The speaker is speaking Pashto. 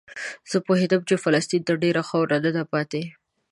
زه پوهېدم چې فلسطین ته ډېره خاوره نه ده پاتې.